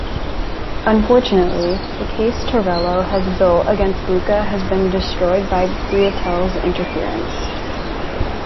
Unfortunately, the case Torello has built against Luca has been destroyed by Breitel's interference.